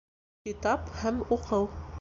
Китап һәм уҡыу